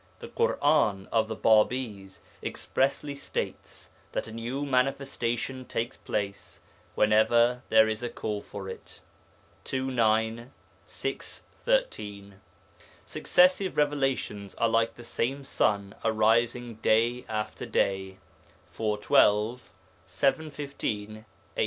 The Ḳur'an of the Bābīs expressly states that a new Manifestation takes place whenever there is a call for it (ii. 9, vi. 13); successive revelations are like the same sun arising day after day (iv. 12, vii. 15, viii.